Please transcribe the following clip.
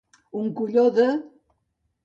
Un colló de.